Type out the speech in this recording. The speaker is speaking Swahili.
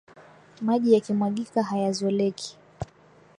Maji yakimwagika hayazoleki